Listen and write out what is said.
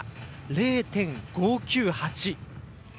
０．５９８。